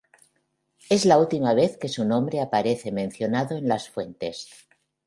Es la última vez que su nombre aparece mencionado en las fuentes.